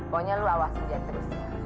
pokoknya lu awasin dia terus